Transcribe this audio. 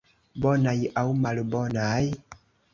Bonaj aŭ malbonaj?